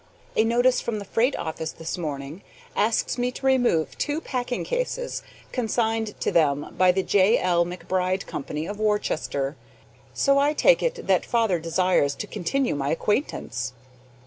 A notice from the freight office this morning asks me to remove two packing cases consigned to them by the J. L. McBride Co. of Worcester; so I take it that father desires to continue my acquaintance.